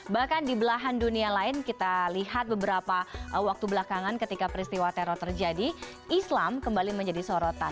bahkan di belahan dunia lain kita lihat beberapa waktu belakangan ketika peristiwa teror terjadi islam kembali menjadi sorotan